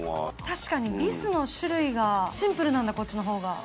確かにビスの種類がシンプルなんだこっちのほうが。